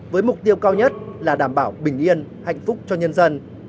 với mục tiêu cao nhất là đảm bảo bình yên hạnh phúc cho nhân dân